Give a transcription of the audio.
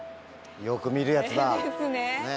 よく見るやつだ。ですね。